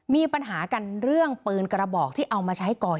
มีปัญหากันเรื่องปืนกระบอกที่เอามาใช้ก่อเหตุ